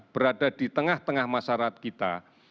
berada di tengah tengah masyarakat kita